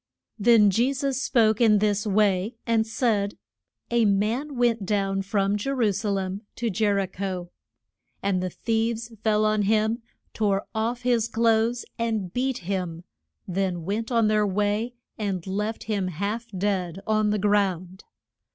Then Je sus spoke in this way, and said, A man went down from Je ru sa lem to Je ri cho. And the thieves fell on him, tore off his clothes and beat him, then went on their way and left him half dead on the ground.